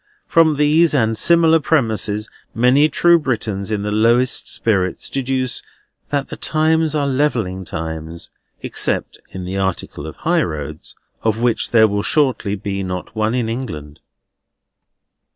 From these and similar premises, many true Britons in the lowest spirits deduce that the times are levelling times, except in the article of high roads, of which there will shortly be not one in England.